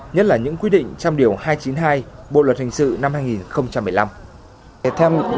nhất là những quy định trong điều hai trăm chín mươi hai bộ luật hình sự năm hai nghìn một mươi năm